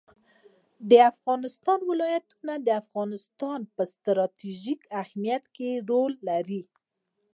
د افغانستان ولايتونه د افغانستان په ستراتیژیک اهمیت کې رول لري.